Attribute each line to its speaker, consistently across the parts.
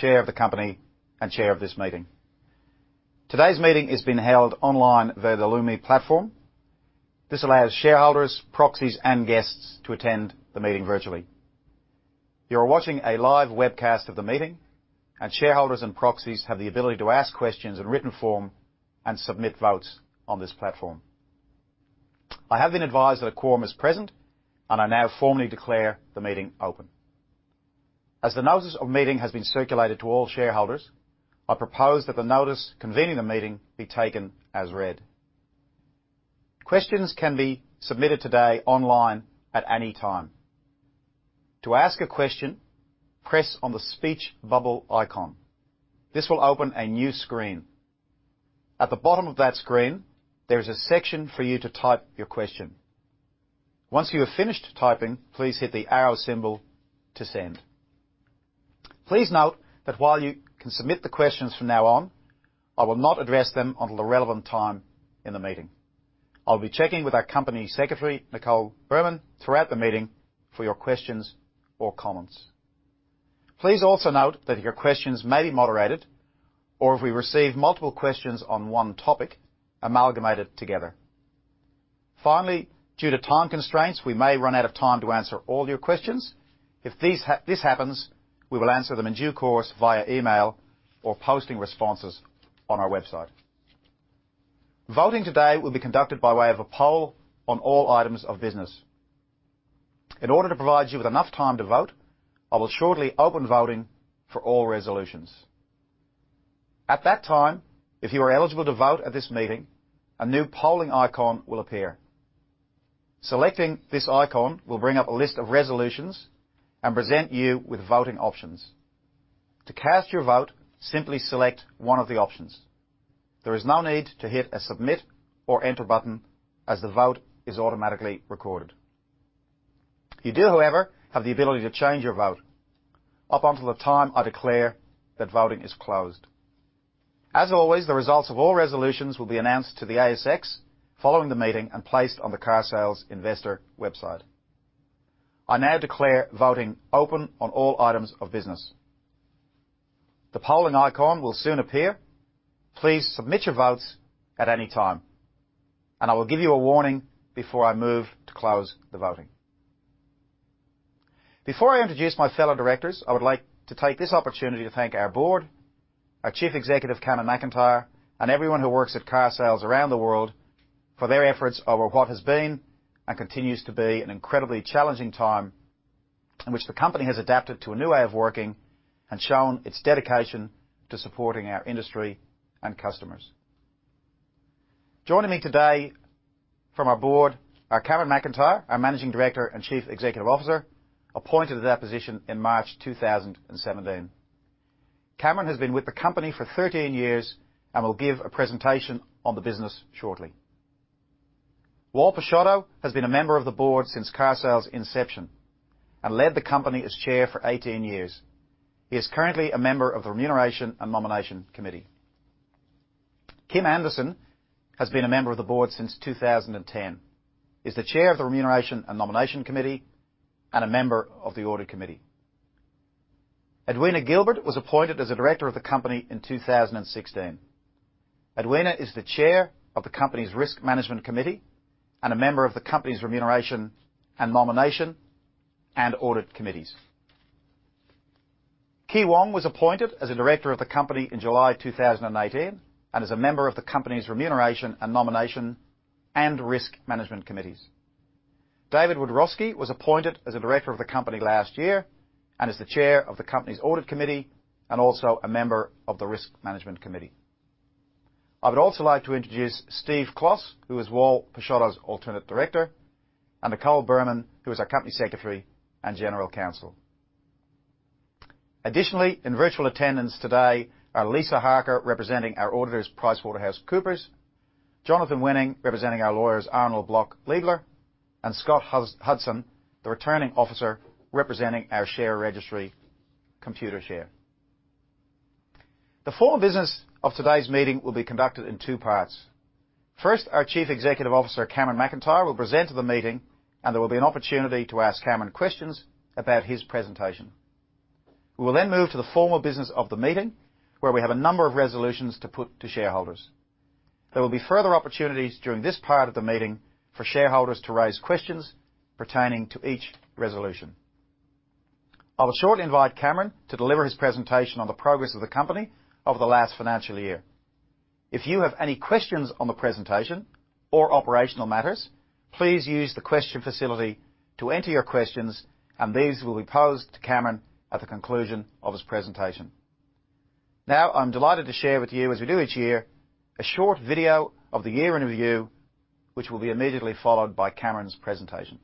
Speaker 1: Chair of the company and Chair of this meeting. Today's meeting is being held online via the Lumi platform. This allows shareholders, proxies, and guests to attend the meeting virtually. You are watching a live webcast of the meeting, and shareholders and proxies have the ability to ask questions in written form and submit votes on this platform. I have been advised that a quorum is present, and I now formally declare the meeting open. As the notice of meeting has been circulated to all shareholders, I propose that the notice convening the meeting be taken as read. Questions can be submitted today online at any time. To ask a question, press on the speech bubble icon. This will open a new screen. At the bottom of that screen, there is a section for you to type your question. Once you have finished typing, please hit the arrow symbol to send. Please note that while you can submit the questions from now on, I will not address them until the relevant time in the meeting. I'll be checking with our company secretary, Nicole Birman, throughout the meeting for your questions or comments. Please also note that your questions may be moderated or if we receive multiple questions on one topic, amalgamated together. Finally, due to time constraints, we may run out of time to answer all your questions. If this happens, we will answer them in due course via email or posting responses on our website. Voting today will be conducted by way of a poll on all items of business. In order to provide you with enough time to vote, I will shortly open voting for all resolutions. At that time, if you are eligible to vote at this meeting, a new polling icon will appear. Selecting this icon will bring up a list of resolutions and present you with voting options. To cast your vote, simply select one of the options. There is no need to hit a Submit or Enter button as the vote is automatically recorded. You do, however, have the ability to change your vote up until the time I declare that voting is closed. As always, the results of all resolutions will be announced to the ASX following the meeting and placed on the Carsales investor website. I now declare voting open on all items of business. The polling icon will soon appear. Please submit your votes at any time, and I will give you a warning before I move to close the voting. Before I introduce my fellow directors, I would like to take this opportunity to thank our board, our Chief Executive, Cameron McIntyre, and everyone who works at Carsales around the world for their efforts over what has been, and continues to be, an incredibly challenging time in which the company has adapted to a new way of working and shown its dedication to supporting our industry and customers. Joining me today from our board are Cameron McIntyre, our Managing Director and Chief Executive Officer, appointed to that position in March 2017. Cameron has been with the company for 13 years and will give a presentation on the business shortly. Wal Pisciotta has been a member of the board since Carsales' inception and led the company as Chair for 18 years. He is currently a member of the Remuneration and Nomination Committee. Kim Anderson has been a member of the board since two thousand and ten, is the Chair of the Remuneration and Nomination Committee, and a member of the Audit Committee. Edwina Gilbert was appointed as a Director of the company in two thousand and sixteen. Edwina is the Chair of the company's Risk Management Committee and a member of the company's Remuneration and Nomination and Audit Committees. Kee Wong was appointed as a Director of the company in July two thousand and eighteen, and is a member of the company's Remuneration and Nomination and Risk Management Committees. David Wiadrowski was appointed as a Director of the company last year and is the Chair of the company's Audit Committee and also a member of the Risk Management Committee. I would also like to introduce Steve Kloss, who is Wal Pisciotta's alternate Director, and Nicole Birman, who is our Company Secretary and General Counsel. Additionally, in virtual attendance today are Lisa Harker, representing our auditors, PricewaterhouseCoopers, Jonathan Wenig, representing our lawyers, Arnold Bloch Leibler, and Scott Hudson, the Returning Officer, representing our share registry, Computershare. The formal business of today's meeting will be conducted in two parts. First, our Chief Executive Officer, Cameron McIntyre, will present to the meeting, and there will be an opportunity to ask Cameron questions about his presentation. We will then move to the formal business of the meeting, where we have a number of resolutions to put to shareholders. There will be further opportunities during this part of the meeting for shareholders to raise questions pertaining to each resolution. I will shortly invite Cameron to deliver his presentation on the progress of the company over the last financial year. If you have any questions on the presentation or operational matters, please use the question facility to enter your questions, and these will be posed to Cameron at the conclusion of his presentation. Now, I'm delighted to share with you, as we do each year, a short video of the year in review, which will be immediately followed by Cameron's presentation.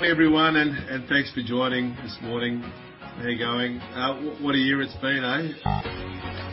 Speaker 2: Hi, everyone, and thanks for joining this morning. How you going? What a year it's been, eh?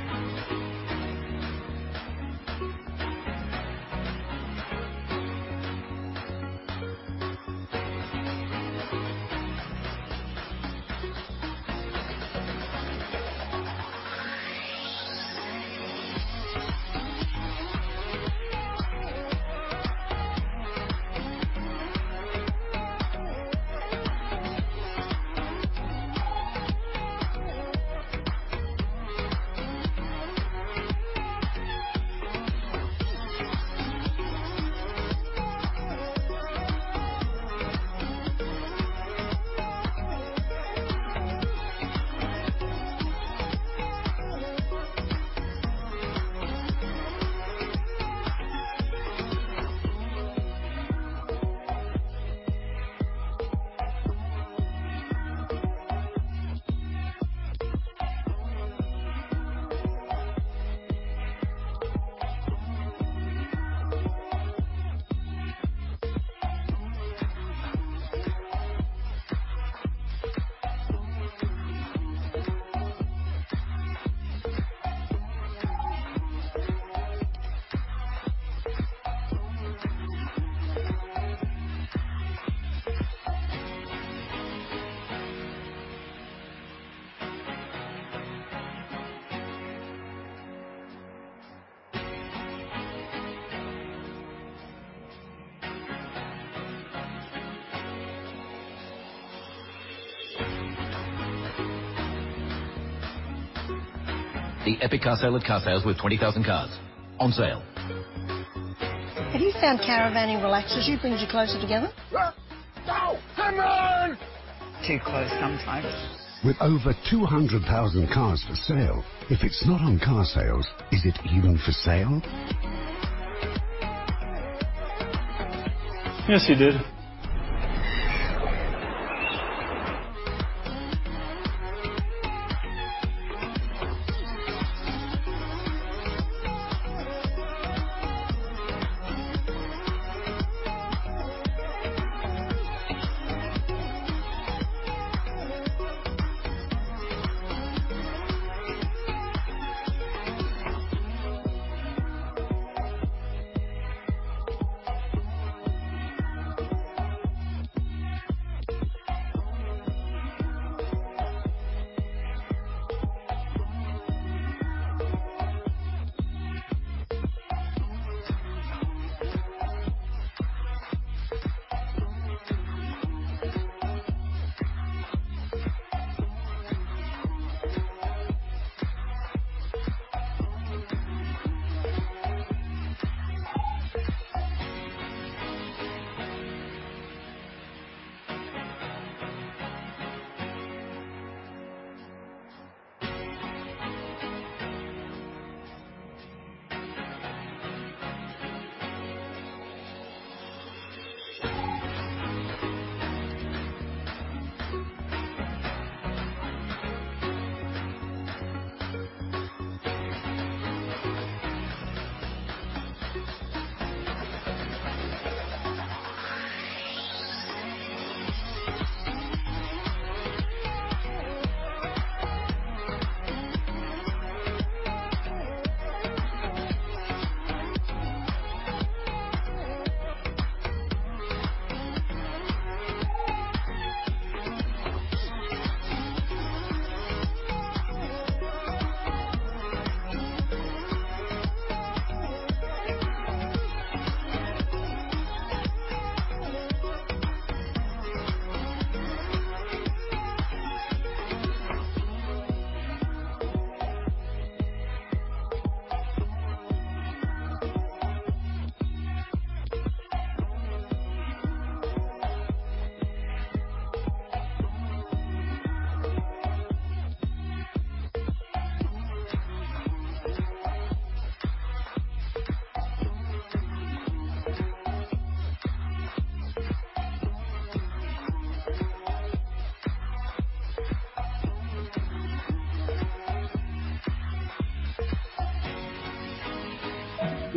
Speaker 3: The epic car sale at Carsales with 20,000 cars on sale. Have you found caravanning relaxes you, brings you closer together? Ah! Oh, Henry! Too close sometimes. With over two hundred thousand cars for sale, if it's not on Carsales, is it even for sale?
Speaker 4: Yes, he did.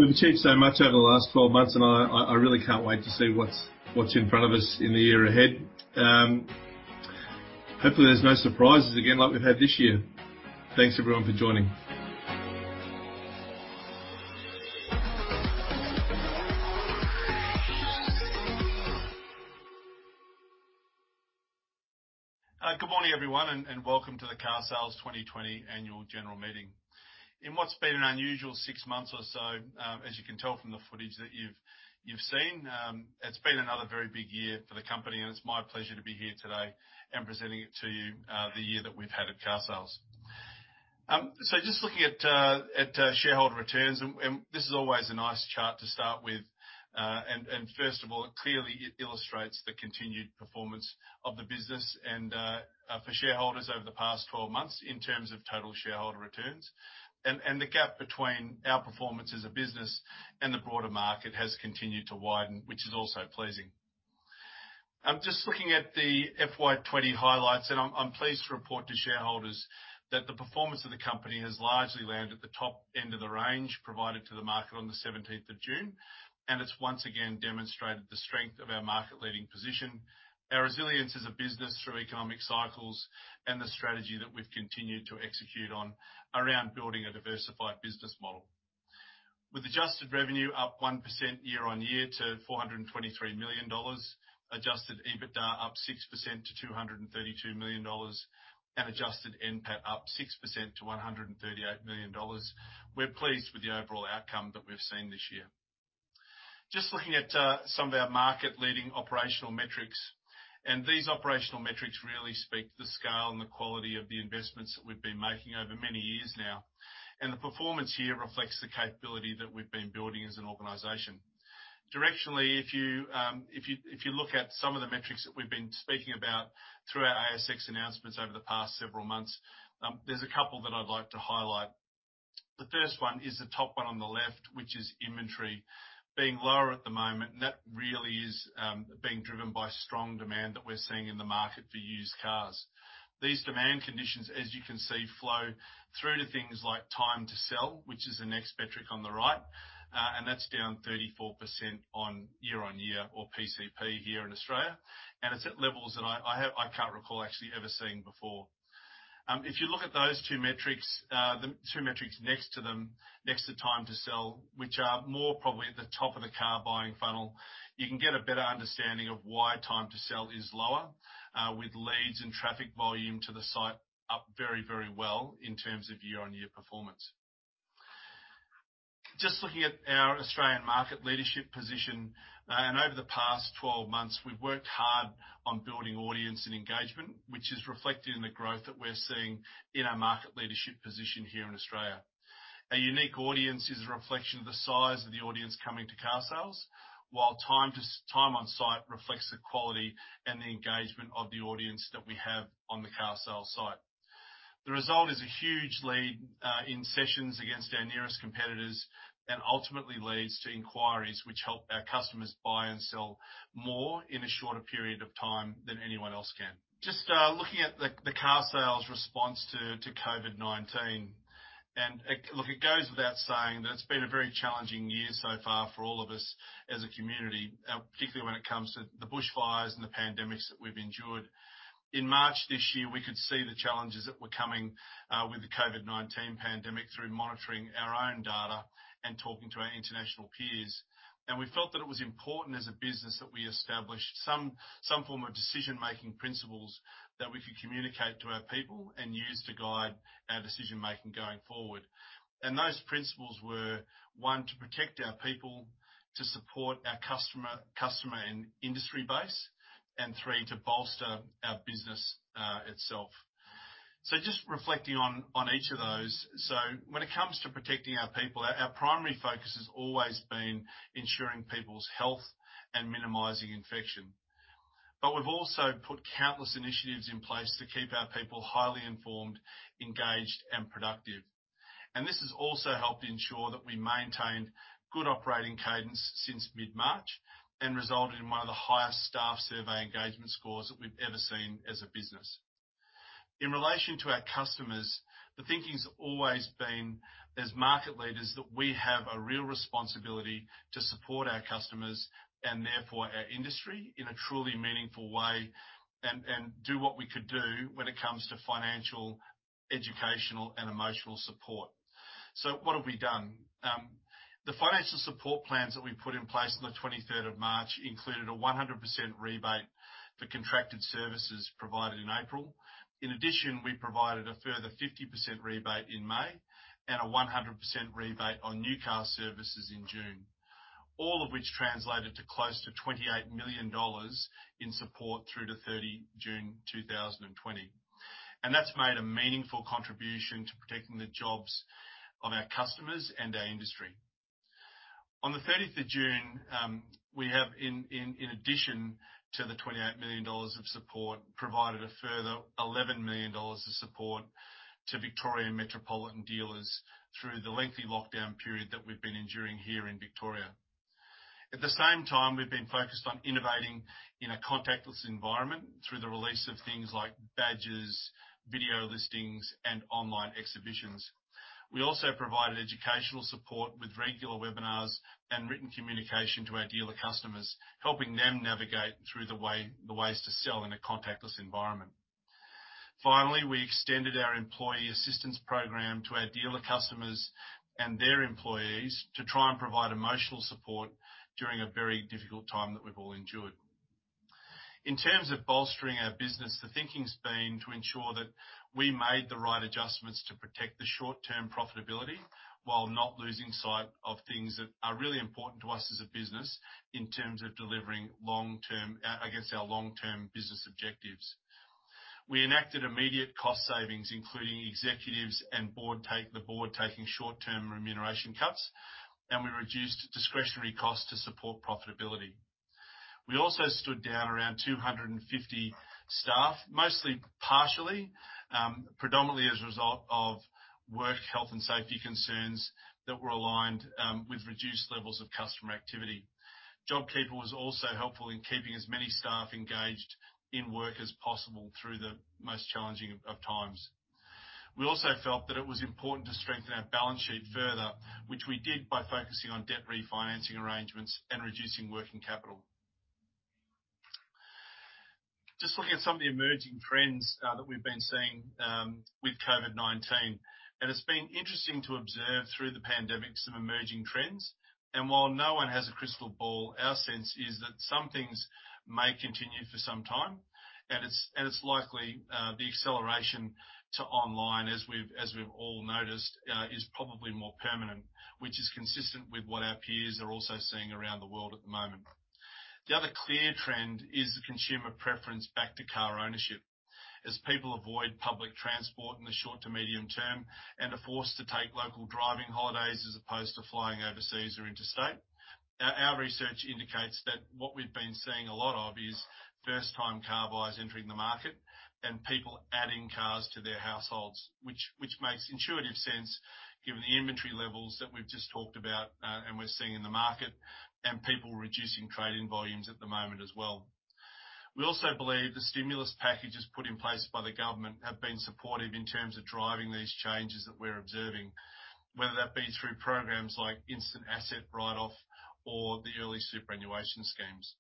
Speaker 2: We've achieved so much over the last twelve months, and I really can't wait to see what's in front of us in the year ahead. Hopefully, there's no surprises again like we've had this year. Thanks, everyone, for joining. Good morning, everyone, and welcome to the Carsales 2020 annual general meeting. In what's been an unusual six months or so, as you can tell from the footage that you've seen, it's been another very big year for the company, and it's my pleasure to be here today and presenting it to you, the year that we've had at Carsales. So just looking at shareholder returns, and this is always a nice chart to start with. And first of all, it clearly illustrates the continued performance of the business and for shareholders over the past twelve months in terms of total shareholder returns. The gap between our performance as a business and the broader market has continued to widen, which is also pleasing. Just looking at the FY 2020 largely landed at the top end of the range provided to the market on the seventeenth of June, and it's once again demonstrated the strength of our market leading position, our resilience as a business through economic cycles, and the strategy that we've continued to execute on around building a diversified business model. With adjusted revenue up 1% year-on-year to 423 million dollars, adjusted EBITDA up 6% to 232 million dollars, and adjusted NPAT up 6% to 138 million dollars, we're pleased with the overall outcome that we've seen this year. Just looking at some of our market-leading operational metrics, and these operational metrics really speak to the scale and the quality of the investments that we've been making over many years now, and the performance here reflects the capability that we've been building as an organization. Directionally, if you look at some of the metrics that we've been speaking about through our ASX announcements over the past several months, there's a couple that I'd like to highlight. The first one is the top one on the left, which is inventory being lower at the moment, and that really is being driven by strong demand that we're seeing in the market for used cars. These demand conditions, as you can see, flow through to things like time to sell, which is the next metric on the right, and that's down 34% on year-on-year or PCP here in Australia, and it's at levels that I can't recall actually ever seeing before. If you look at those two metrics, the two metrics next to them, next to time to sell, which are more probably at the top of the car buying funnel, you can get a better understanding of why time to sell is lower, with leads and traffic volume to the site up very, very well in terms of year-on-year performance. Just looking at our Australian market leadership position, and over the past 12 months, we've worked hard on building audience and engagement, which is reflected in the growth that we're seeing in our market leadership position here in Australia. Our unique audience is a reflection of the size of the audience coming to Carsales, while time on site reflects the quality and the engagement of the audience that we have on the Carsales site. The result is a huge lead in sessions against our nearest competitors, and ultimately leads to inquiries, which help our customers buy and sell more in a shorter period of time than anyone else can. Just looking at the Carsales response to COVID-19, and look, it goes without saying that it's been a very challenging year so far for all of us as a community, particularly when it comes to the bushfires and the pandemics that we've endured. In March this year, we could see the challenges that were coming with the COVID-19 pandemic through monitoring our own data and talking to our international peers, and we felt that it was important as a business that we established some form of decision-making principles that we could communicate to our people and use to guide our decision-making going forward. Those principles were, one, to protect our people, to support our customer and industry base, and three, to bolster our business itself. Just reflecting on each of those. When it comes to protecting our people, our primary focus has always been ensuring people's health and minimizing infection, but we've also put countless initiatives in place to keep our people highly informed, engaged, and productive. This has also helped ensure that we maintained good operating cadence since mid-March, and resulted in one of the highest staff survey engagement scores that we've ever seen as a business. In relation to our customers, the thinking's always been, as market leaders, that we have a real responsibility to support our customers, and therefore our industry, in a truly meaningful way, and do what we could do when it comes to financial, educational, and emotional support. So what have we done? The financial support plans that we put in place on the 23rd of March included a 100% rebate for contracted services provided in April. In addition, we provided a further 50% rebate in May, and a 100% rebate on new car services in June, all of which translated to close to 28 million dollars in support through to 30 June 2020. And that's made a meaningful contribution to protecting the jobs of our customers and our industry. On the thirtieth of June, we have, in addition to the 28 million dollars of support, provided a further 11 million dollars of support to Victorian metropolitan dealers through the lengthy lockdown period that we've been enduring here in Victoria. At the same time, we've been focused on innovating in a contactless environment through the release of things like badges, video listings, and online exhibitions. We also provided educational support with regular webinars and written communication to our dealer customers, helping them navigate through the way... the ways to sell in a contactless environment. Finally, we extended our employee assistance program to our dealer customers and their employees to try and provide emotional support during a very difficult time that we've all endured. In terms of bolstering our business, the thinking's been to ensure that we made the right adjustments to protect the short-term profitability, while not losing sight of things that are really important to us as a business in terms of delivering long-term, I guess, our long-term business objectives. We enacted immediate cost savings, including executives and board take- the board taking short-term remuneration cuts, and we reduced discretionary costs to support profitability. We also stood down around 250 staff, mostly partially, predominantly as a result of work, health, and safety concerns that were aligned with reduced levels of customer activity. JobKeeper was also helpful in keeping as many staff engaged in work as possible through the most challenging of times. We also felt that it was important to strengthen our balance sheet further, which we did by focusing on debt refinancing arrangements and reducing working capital. Just looking at some of the emerging trends that we've been seeing with COVID-19, and it's been interesting to observe through the pandemic some emerging trends. And while no one has a crystal ball, our sense is that some things may continue for some time, and it's likely the acceleration to online, as we've all noticed, is probably more permanent, which is consistent with what our peers are also seeing around the world at the moment. The other clear trend is the consumer preference back to car ownership, as people avoid public transport in the short to medium term, and are forced to take local driving holidays as opposed to flying overseas or interstate. Our research indicates that what we've been seeing a lot of is first time car buyers entering the market and people adding cars to their households, which makes intuitive sense given the inventory levels that we've just talked about, and we're seeing in the market, and people reducing trade-in volumes at the moment as well. We also believe the stimulus packages put in place by the government have been supportive in terms of driving these changes that we're observing, whether that be through programs like Instant Asset Write-Off or the early superannuation schemes.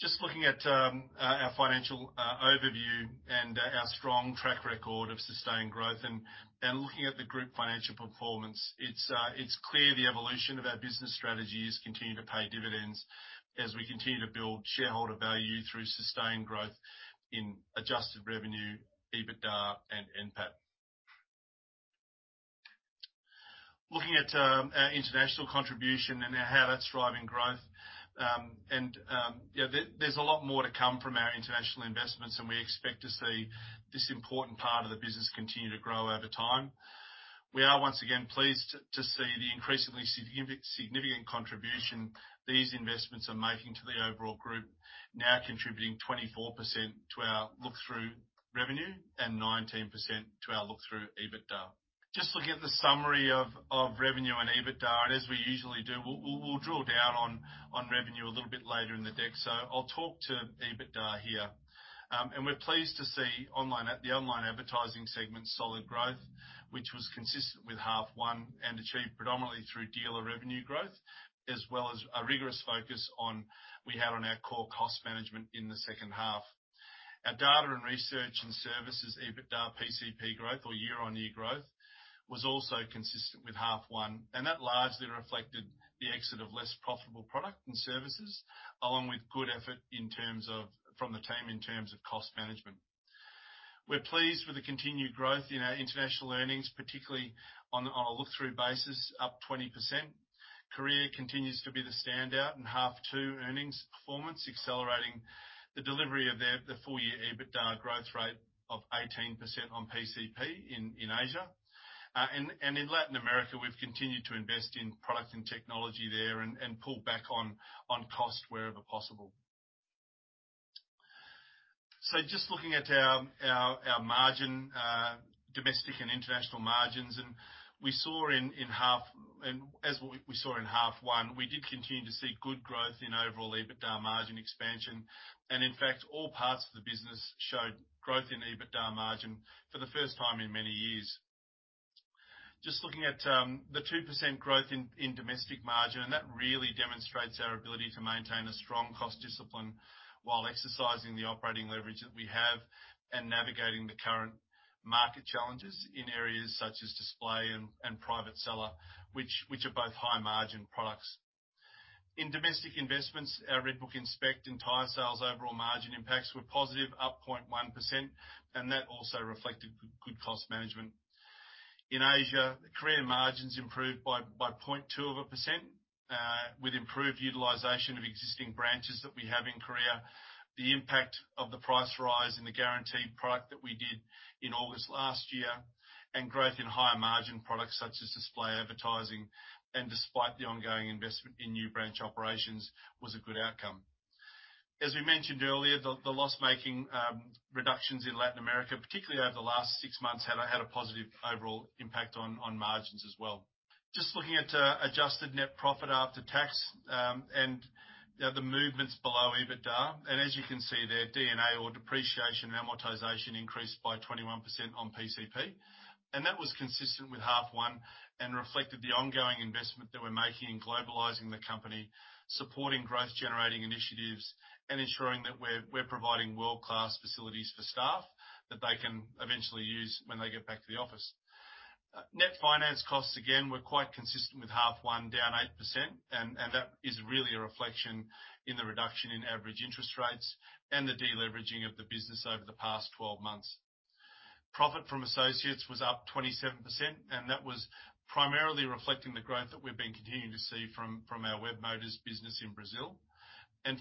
Speaker 2: Just looking at our financial overview and our strong track record of sustained growth, and looking at the group financial performance, it's clear the evolution of our business strategy is continuing to pay dividends as we continue to build shareholder value through sustained growth in adjusted revenue, EBITDA, and NPAT. Looking at our international contribution and how that's driving growth. And yeah, there's a lot more to come from our international investments, and we expect to see this important part of the business continue to grow over time. We are once again pleased to see the increasingly significant contribution these investments are making to the overall group, now contributing 24% to our look-through revenue and 19% to our look-through EBITDA. Just looking at the summary of revenue and EBITDA, and as we usually do, we'll drill down on revenue a little bit later in the deck, so I'll talk to EBITDA here. And we're pleased to see the online advertising segment's solid growth, which was consistent with half one, and achieved predominantly through dealer revenue growth, as well as a rigorous focus on our core cost management in the second half. Our data and research and services EBITDA PCP growth or year-on-year growth was also consistent with half one, and that largely reflected the exit of less profitable product and services, along with good effort from the team in terms of cost management. We're pleased with the continued growth in our international earnings, particularly on a look-through basis, up 20%. Korea continues to be the standout in half two earnings performance, accelerating the delivery of their, the full year EBITDA growth rate of 18% on PCP in Asia. And in Latin America, we've continued to invest in product and technology there and pull back on cost wherever possible. So just looking at our margin, domestic and international margins, and we saw in half one, we did continue to see good growth in overall EBITDA margin expansion. And in fact, all parts of the business showed growth in EBITDA margin for the first time in many years. Just looking at the 2% growth in domestic margin, and that really demonstrates our ability to maintain a strong cost discipline while exercising the operating leverage that we have, and navigating the current market challenges in areas such as display and private seller, which are both high margin products. In domestic investments, our RedBook Inspect and Tyresales overall margin impacts were positive, up 0.1%, and that also reflected good cost management. In Asia, the Korean margins improved by 0.2%, with improved utilization of existing branches that we have in Korea. The impact of the price rise in the guaranteed product that we did in August last year, and growth in higher margin products such as display advertising, and despite the ongoing investment in new branch operations, was a good outcome. As we mentioned earlier, the loss-making reductions in Latin America, particularly over the last 6 months, had a positive overall impact on margins as well. Just looking at adjusted net profit after tax, and, you know, the movements below EBITDA, and as you can see there, D&A, or depreciation and amortization, increased by 21% on PCP, and that was consistent with half one, and reflected the ongoing investment that we're making in globalizing the company, supporting growth generating initiatives, and ensuring that we're providing world-class facilities for staff that they can eventually use when they get back to the office. Net finance costs, again, were quite consistent with half one, down 8%, and that is really a reflection in the reduction in average interest rates and the de-leveraging of the business over the past 12 months. Profit from associates was up 27%, and that was primarily reflecting the growth that we've been continuing to see from our Webmotors business in Brazil.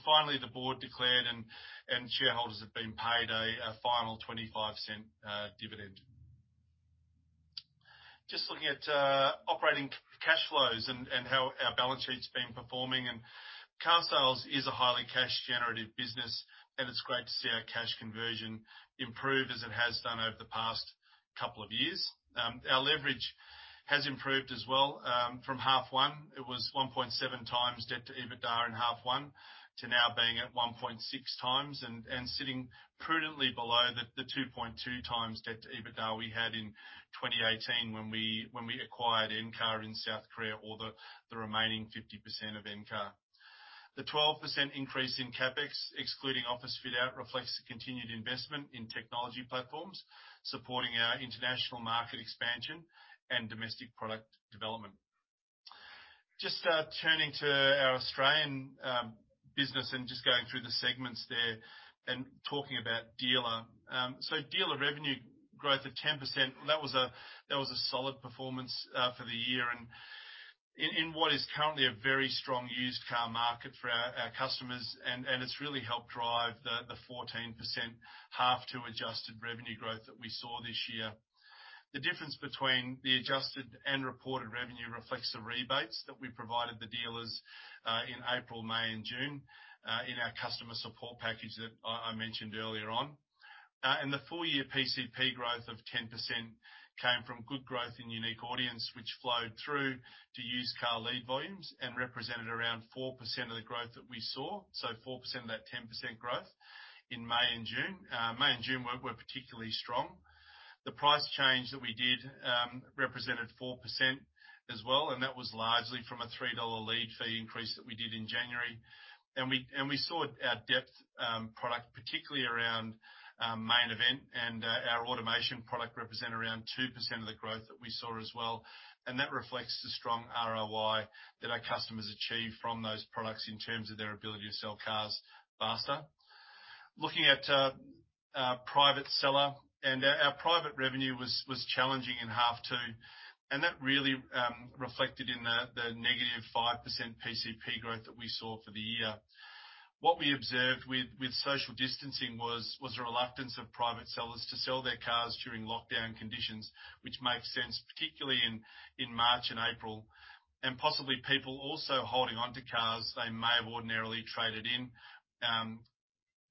Speaker 2: Finally, the board declared and shareholders have been paid a final 0.25 dividend. Just looking at operating cash flows and how our balance sheet's been performing, and Carsales is a highly cash generative business, and it's great to see our cash conversion improve as it has done over the past couple of years. Our leverage has improved as well from H1. It was 1.7 times debt to EBITDA in half one, to now being at 1.6 times, and sitting prudently below the 2.2 times debt to EBITDA we had in 2018 when we acquired Encar in South Korea, or the remaining 50% of Encar. The 12% increase in CapEx, excluding office fit-out, reflects the continued investment in technology platforms, supporting our international market expansion and domestic product development. Just turning to our Australian business and just going through the segments there and talking about dealer. So dealer revenue growth of 10%, that was a solid performance for the year and in what is currently a very strong used car market for our customers, and it's really helped drive the 14% half-year adjusted revenue growth that we saw this year. The difference between the adjusted and reported revenue reflects the rebates that we provided the dealers in April, May, and June in our customer support package that I mentioned earlier on. And the full year PCP growth of 10% came from good growth in unique audience, which flowed through to used car lead volumes and represented around 4% of the growth that we saw, so 4% of that 10% growth in May and June. May and June were particularly strong. The price change that we did represented 4% as well, and that was largely from an 3 dollar lead fee increase that we did in January, and we saw our ad depth product, particularly around MainEvent, and our automation product represent around 2% of the growth that we saw as well. And that reflects the strong ROI that our customers achieve from those products in terms of their ability to sell cars faster. Looking at our private seller, and our private revenue was challenging in half two, and that really reflected in the -5% PCP growth that we saw for the year. What we observed with social distancing was a reluctance of private sellers to sell their cars during lockdown conditions, which makes sense, particularly in March and April, and possibly people also holding onto cars they may have ordinarily traded in,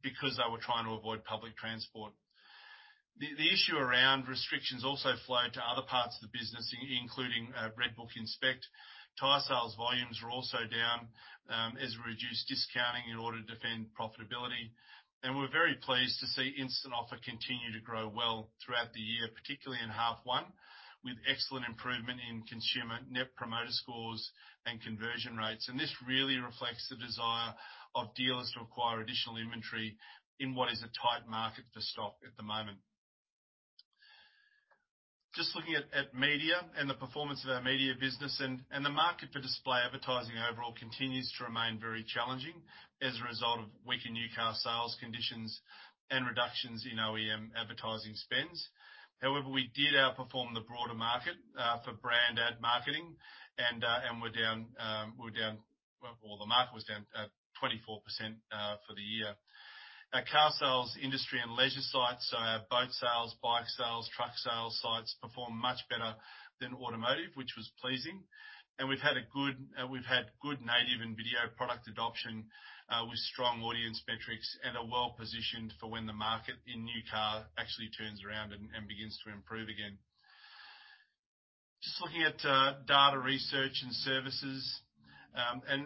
Speaker 2: because they were trying to avoid public transport. The issue around restrictions also flowed to other parts of the business, including RedBook Inspect. Tyresales volumes were also down, as we reduced discounting in order to defend profitability, and we're very pleased to see Instant Offer continue to grow well throughout the year, particularly in half one, with excellent improvement in consumer net promoter scores and conversion rates, and this really reflects the desire of dealers to acquire additional inventory in what is a tight market for stock at the moment. Just looking at media and the performance of our media business, and the market for display advertising overall continues to remain very challenging as a result of weaker new car sales conditions and reductions in OEM advertising spends. However, we did outperform the broader market for brand ad marketing, and well, the market was down 24% for the year. Our Carsales industry and leisure sites, so our Boatsales, Bikesales, Trucksales sites performed much better than automotive, which was pleasing. And we've had good native and video product adoption with strong audience metrics and are well positioned for when the market in new car actually turns around and begins to improve again. Just looking at data research and services, and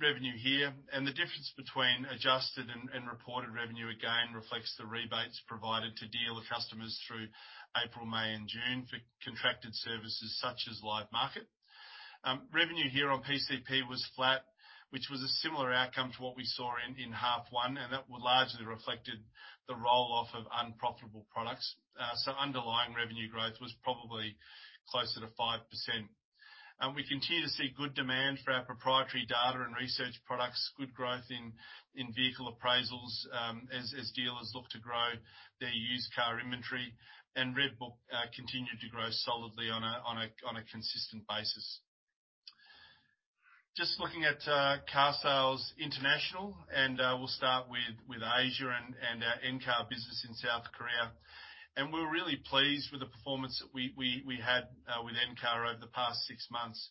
Speaker 2: revenue here, and the difference between adjusted and reported revenue again, reflects the rebates provided to dealer customers through April, May, and June for contracted services such as LiveMarket. Revenue here on PCP was flat, which was a similar outcome to what we saw in half one, and that was largely reflected the roll-off of unprofitable products. So underlying revenue growth was probably closer to 5%. And we continue to see good demand for our proprietary data and research products, good growth in vehicle appraisals, as dealers look to grow their used car inventory, and RedBook continued to grow solidly on a consistent basis. Just looking at Carsales International, and we'll start with Asia and our Encar business in South Korea. We're really pleased with the performance that we had with Encar over the past six months,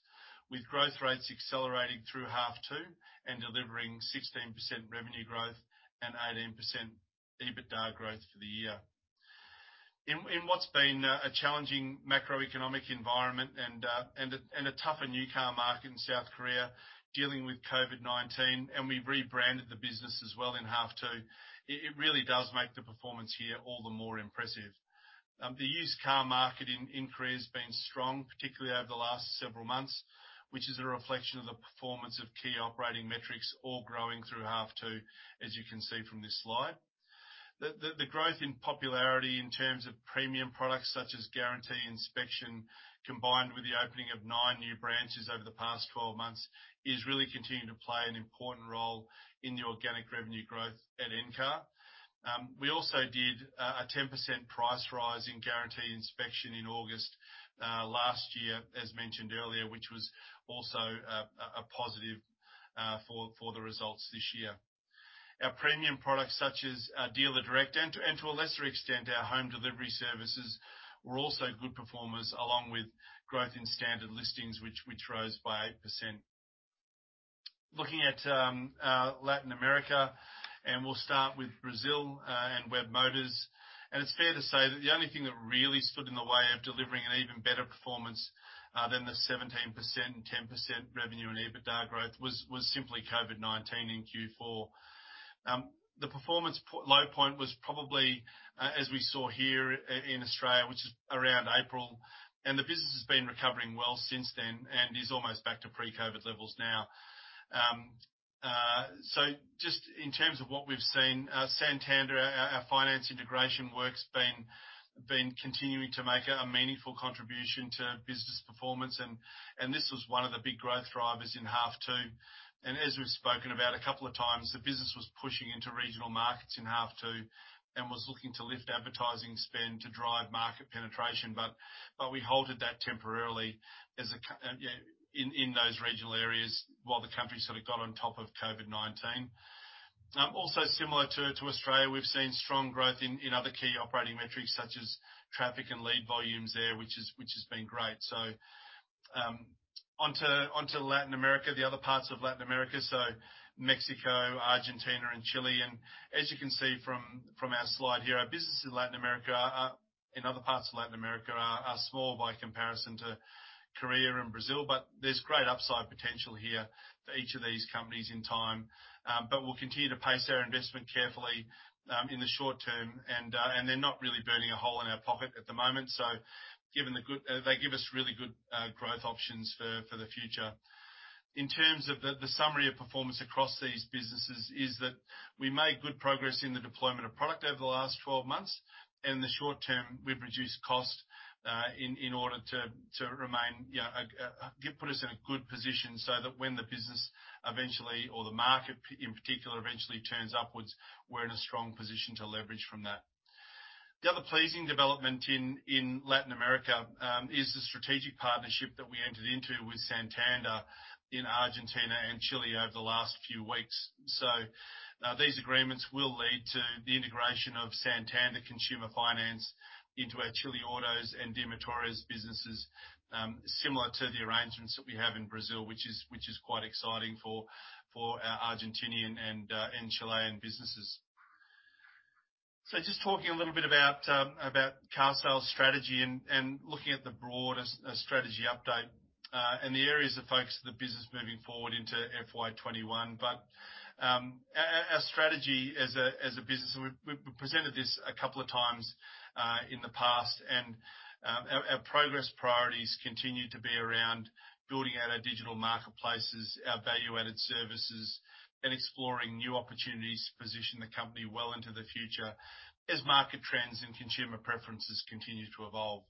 Speaker 2: with growth rates accelerating through half two and delivering 16% revenue growth and 18% EBITDA growth for the year. In what's been a challenging macroeconomic environment and a tougher new car market in South Korea, dealing with COVID-19, and we've rebranded the business as well in half two, it really does make the performance here all the more impressive. The used car market in Korea has been strong, particularly over the last several months, which is a reflection of the performance of key operating metrics all growing through half two, as you can see from this slide. The growth in popularity in terms of premium products such as Guarantee Inspection, combined with the opening of nine new branches over the past twelve months, is really continuing to play an important role in the organic revenue growth at Encar. We also did a 10% price rise in Guarantee Inspection in August last year, as mentioned earlier, which was also a positive for the results this year. Our premium products, such as Dealer Direct, and to a lesser extent, our home delivery services, were also good performers, along with growth in standard listings, which rose by 8%.... Looking at Latin America, and we'll start with Brazil, and Webmotors. And it's fair to say that the only thing that really stood in the way of delivering an even better performance than the 17% and 10% revenue and EBITDA growth was simply COVID-19 in Q4. The performance low point was probably as we saw here in Australia, which is around April, and the business has been recovering well since then, and is almost back to pre-COVID levels now. So just in terms of what we've seen, Santander, our finance integration work's been continuing to make a meaningful contribution to business performance, and this was one of the big growth drivers in half two. As we've spoken about a couple of times, the business was pushing into regional markets in half two, and was looking to lift advertising spend to drive market penetration, but we halted that temporarily in those regional areas while the country sort of got on top of COVID-19. Also similar to Australia, we've seen strong growth in other key operating metrics, such as traffic and lead volumes there, which has been great. Onto Latin America, the other parts of Latin America, so Mexico, Argentina, and Chile. As you can see from our slide here, our business in Latin America in other parts of Latin America are small by comparison to Korea and Brazil, but there's great upside potential here for each of these companies in time. But we'll continue to pace our investment carefully, in the short term, and they're not really burning a hole in our pocket at the moment, so given the good. They give us really good growth options for the future. In terms of the summary of performance across these businesses is that we made good progress in the deployment of product over the last 12 months, and in the short term, we've reduced cost, in order to remain, you know, put us in a good position so that when the business eventually, or the market in particular, eventually turns upwards, we're in a strong position to leverage from that. The other pleasing development in Latin America is the strategic partnership that we entered into with Santander in Argentina and Chile over the last few weeks. So, these agreements will lead to the integration of Santander Consumer Finance into our Chileautos and Demotores businesses, similar to the arrangements that we have in Brazil, which is quite exciting for our Argentinian and Chilean businesses. So just talking a little bit about Carsales' strategy and looking at the broader strategy update and the areas of focus of the business moving forward into FY21. But our strategy as a business, and we've presented this a couple of times in the past, and our progress priorities continue to be around building out our digital marketplaces, our value-added services, and exploring new opportunities to position the company well into the future as market trends and consumer preferences continue to evolve.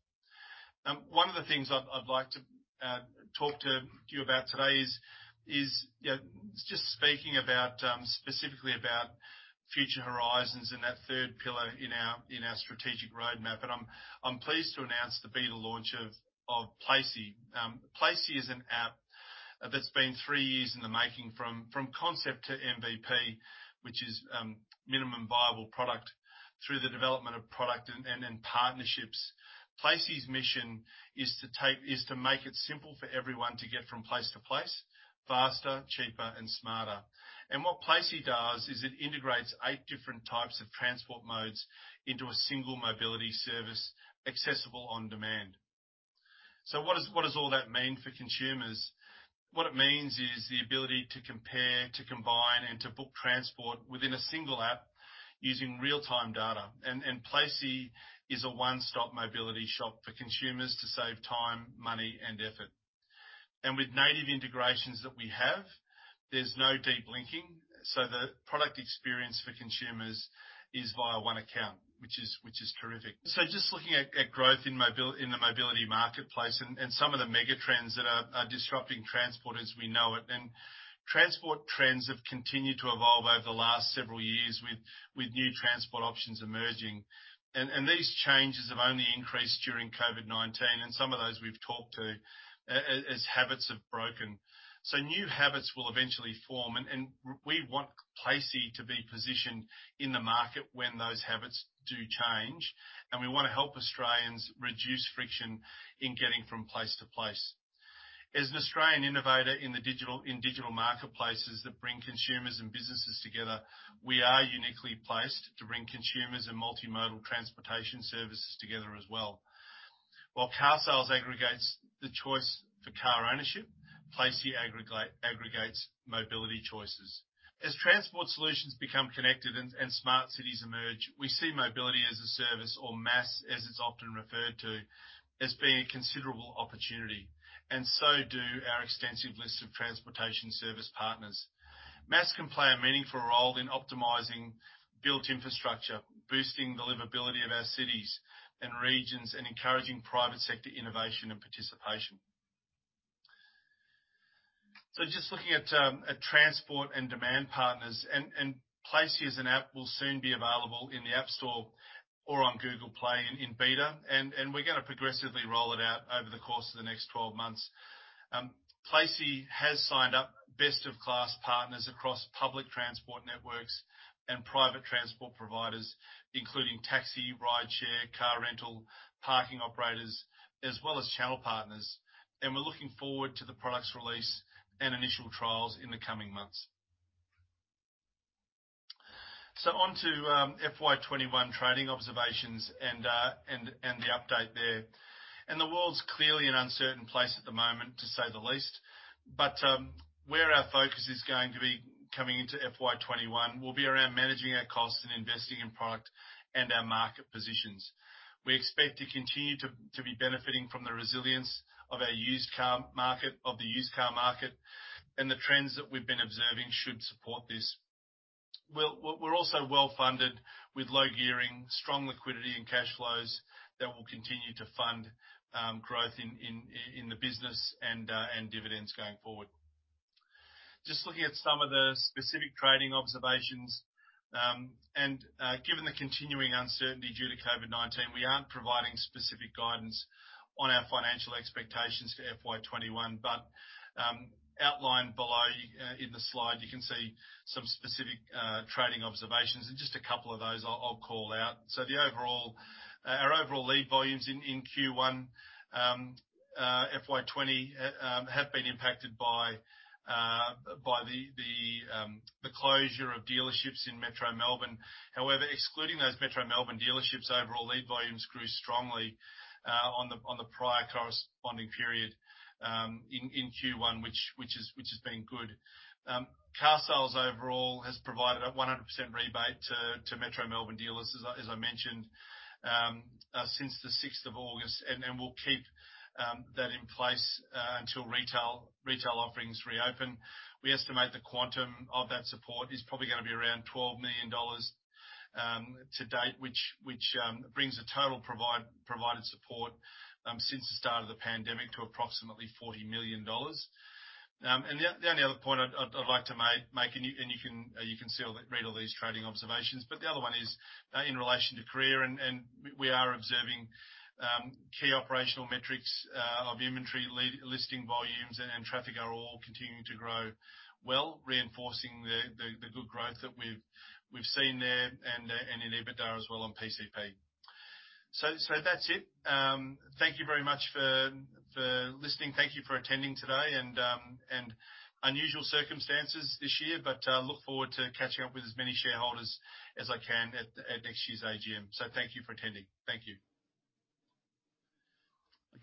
Speaker 2: One of the things I'd like to talk to you about today is, you know, just speaking about specifically about future horizons and that third pillar in our strategic roadmap, and I'm pleased to announce the beta launch of Placie. Placie is an app that's been three years in the making from concept to MVP, which is minimum viable product, through the development of product and partnerships. Placie's mission is to make it simple for everyone to get from place to place, faster, cheaper, and smarter. And what Placie does is it integrates eight different types of transport modes into a single mobility service, accessible on demand. So what does all that mean for consumers? What it means is the ability to compare, to combine, and to book transport within a single app using real-time data. And Placie is a one-stop mobility shop for consumers to save time, money, and effort. And with native integrations that we have, there's no deep linking, so the product experience for consumers is via one account, which is terrific. So just looking at growth in the mobility marketplace, and some of the mega trends that are disrupting transport as we know it. And transport trends have continued to evolve over the last several years with new transport options emerging, and these changes have only increased during COVID-19, and some of those we've talked to, as habits have broken. So new habits will eventually form, and we want Placie to be positioned in the market when those habits do change, and we want to help Australians reduce friction in getting from place to place. As an Australian innovator in digital marketplaces that bring consumers and businesses together, we are uniquely placed to bring consumers and multimodal transportation services together as well. While Carsales aggregates the choice for car ownership, Placie aggregates mobility choices. As transport solutions become connected and smart cities emerge, we see mobility as a service or MaaS, as it's often referred to, as being a considerable opportunity, and so do our extensive list of transportation service partners. MaaS can play a meaningful role in optimizing built infrastructure, boosting the livability of our cities and regions, and encouraging private sector innovation and participation. Just looking at transport and demand partners, and Placie as an app will soon be available in the App Store or on Google Play in beta, and we're gonna progressively roll it out over the course of the next 12 months. Placie has signed up best-in-class partners across public transport networks and private transport providers, including taxi, rideshare, car rental, parking operators, as well as channel partners, and we're looking forward to the product's release and initial trials in the coming months. On to FY 2021 trading observations and the update there. The world's clearly an uncertain place at the moment, to say the least, but where our focus is going to be coming into FY 2021 will be around managing our costs and investing in product and our market positions. We expect to continue to be benefiting from the resilience of our used car market, and the trends that we've been observing should support this. We're also well-funded, with low gearing, strong liquidity, and cash flows that will continue to fund growth in the business and dividends going forward. Just looking at some of the specific trading observations, and given the continuing uncertainty due to COVID-19, we aren't providing specific guidance on our financial expectations for FY 2021, but outlined below in the slide, you can see some specific trading observations, and just a couple of those I'll call out, so the overall... Our overall lead volumes in Q1 FY 2020 have been impacted by the closure of dealerships in Metro Melbourne. However, excluding those Metro Melbourne dealerships, overall lead volumes grew strongly on the prior corresponding period in Q1, which has been good. Car sales overall has provided a 100% rebate to Metro Melbourne dealers, as I mentioned, since the sixth of August, and we'll keep that in place until retail offerings reopen. We estimate the quantum of that support is probably gonna be around 12 million dollars to date, which brings the total provided support since the start of the pandemic to approximately 40 million dollars. And the only other point I'd like to make, and you can see all these trading observations, but the other one is in relation to Encar, and we are observing key operational metrics of inventory, lead listing volumes, and traffic are all continuing to grow well, reinforcing the good growth that we've seen there, and in EBITDA as well on PCP. So that's it. Thank you very much for listening. Thank you for attending today, and unusual circumstances this year, but look forward to catching up with as many shareholders as I can at next year's AGM. So thank you for attending. Thank you.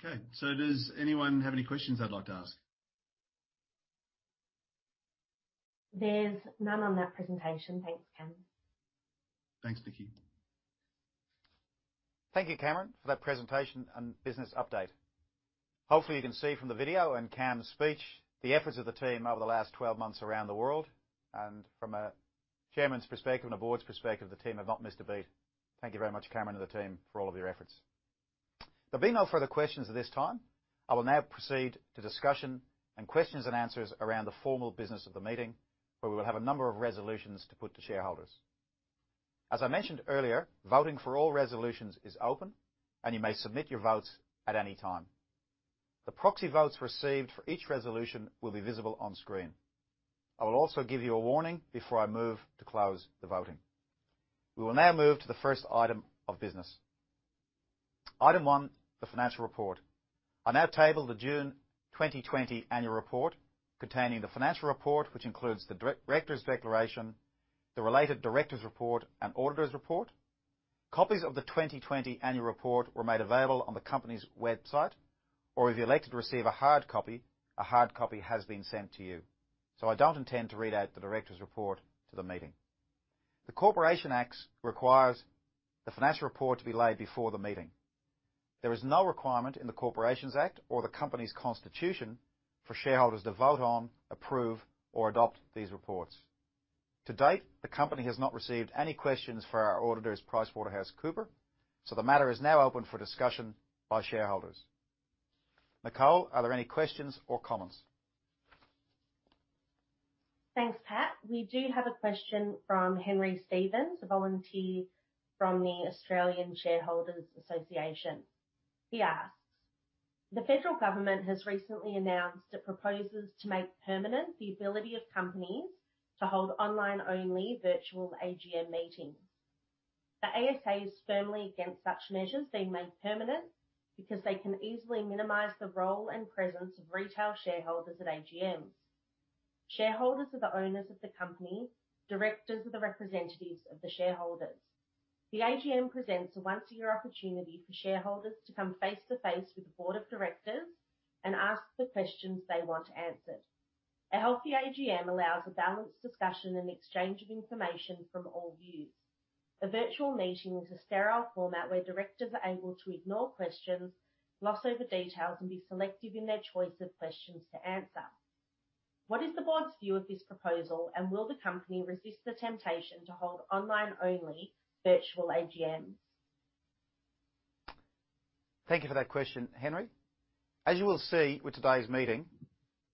Speaker 2: Okay, so does anyone have any questions they'd like to ask?
Speaker 4: There's none on that presentation. Thanks, Cameron.
Speaker 2: Thanks, Nikki.
Speaker 1: Thank you, Cameron, for that presentation and business update. Hopefully, you can see from the video and Cam's speech, the efforts of the team over the last twelve months around the world, and from a chairman's perspective and the board's perspective, the team have not missed a beat. Thank you very much, Cameron, and the team, for all of your efforts. There'll be no further questions at this time. I will now proceed to discussion and questions and answers around the formal business of the meeting, where we will have a number of resolutions to put to shareholders. As I mentioned earlier, voting for all resolutions is open, and you may submit your votes at any time. The proxy votes received for each resolution will be visible on screen. I will also give you a warning before I move to close the voting. We will now move to the first item of business. Item one, the financial report. I now table the June 2020 annual report, containing the financial report, which includes the directors' declaration, the related directors' report, and auditors' report. Copies of the 2020 annual report were made available on the company's website, or if you elected to receive a hard copy, a hard copy has been sent to you. So I don't intend to read out the directors' report to the meeting. The Corporations Act requires the financial report to be laid before the meeting. There is no requirement in the Corporations Act or the company's constitution for shareholders to vote on, approve, or adopt these reports. To date, the company has not received any questions for our auditors, PricewaterhouseCoopers, so the matter is now open for discussion by shareholders. Nicole, are there any questions or comments? Thanks, Pat. We do have a question from Henry Stephen, a volunteer from the Australian Shareholders Association. He asks, "The federal government has recently announced it proposes to make permanent the ability of companies to hold online-only virtual AGM meetings. The ASA is firmly against such measures being made permanent, because they can easily minimize the role and presence of retail shareholders at AGMs. Shareholders are the owners of the company. Directors are the representatives of the shareholders. The AGM presents a once-a-year opportunity for shareholders to come face-to-face with the board of directors and ask the questions they want answered. A healthy AGM allows a balanced discussion and exchange of information from all views. A virtual meeting is a sterile format, where directors are able to ignore questions, gloss over details, and be selective in their choice of questions to answer.
Speaker 4: What is the board's view of this proposal, and will the company resist the temptation to hold online-only virtual AGMs?
Speaker 1: Thank you for that question, Henry. As you will see with today's meeting,